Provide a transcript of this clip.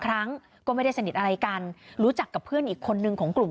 ครั้งก็ไม่ได้สนิทอะไรกันรู้จักกับเพื่อนอีกคนนึงของกลุ่ม